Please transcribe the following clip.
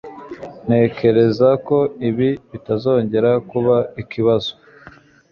Ntekereza ko ibi bitazongera kuba ikibazo